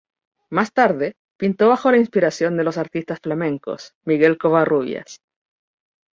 Más tarde pintó bajo la inspiración de los artistas flamencos, Miguel Covarrubias.